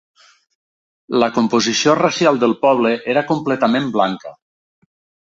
La composició racial del poble era completament blanca.